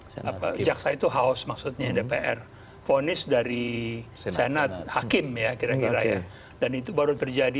set apa jaksa itu haus maksudnya dpr ponis dari senat hakim ya kira kira ya dan itu baru terjadi